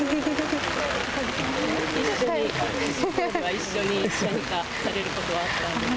一緒に何かされることはあったんですか。